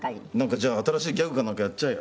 じゃあ新しいギャグかなんかやっちゃえよ。